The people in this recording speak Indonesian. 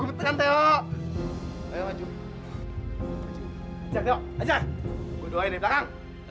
dulu kok ngederan